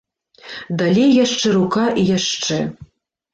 Далей яшчэ рука і яшчэ.